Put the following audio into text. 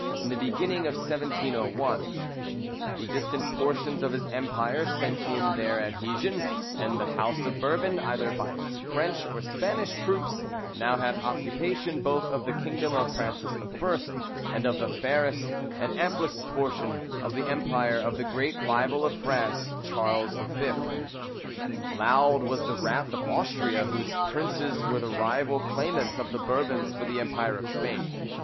in the beginning of 1701. The distant portions of his empire sent in their adhesion; and the house of Bourbon, either by its French or Spanish troops, now had occupation both of the kingdom of Francis I., and of the fairest and amplest portion of the empire of the great rival of Francis, Charles V. Loud was the wrath of Austria, whose princes were the rival claimants of the Bourbons for the empire of Spain.